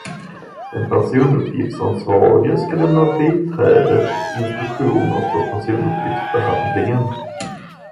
Den personuppgiftsansvarige ska lämna biträdet instruktioner för personuppgiftsbehandlingen.